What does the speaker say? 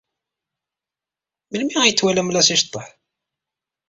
Melmi ay t-twalam la as-iceḍḍeḥ?